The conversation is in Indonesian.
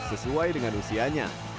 sesuai dengan usianya